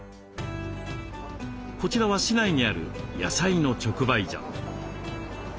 こちらは市内にある野菜の直売所。